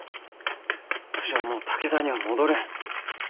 わしはもう武田には戻れん。